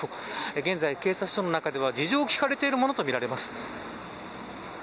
現在、警察署中では事情を聴かれているものとみられます。